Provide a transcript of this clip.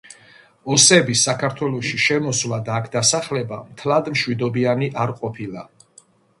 ოსების საქართველოში შემოსვლა და აქ დასახლება მთლად მშვიდობიანი არ ყოფილა.